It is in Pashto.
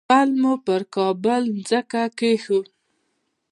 پل مو پر کابل مځکه کېښود.